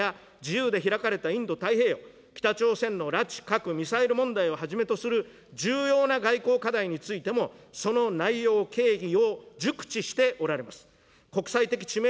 日米同盟の強化や自由で開かれたインド太平洋、北朝鮮の拉致・核・ミサイル問題をはじめとする重要な外交課題についても、その内容、経緯を熟知しておられます。